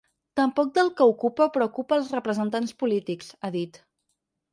Tampoc del que ocupa o preocupa als representants polítics, ha dit.